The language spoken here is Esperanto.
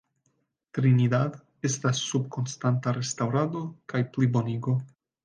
Trinidad estas sub konstanta restaŭrado kaj plibonigo.